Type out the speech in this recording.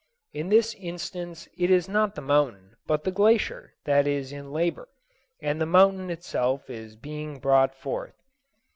In this instance it is not the mountain, but the glacier, that is in labor, and the mountain itself is being brought forth.